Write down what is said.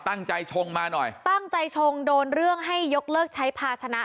ชงมาหน่อยตั้งใจชงโดนเรื่องให้ยกเลิกใช้ภาชนะ